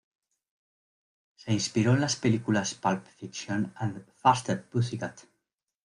Se inspiró en las películas Pulp Fiction and Faster, Pussycat!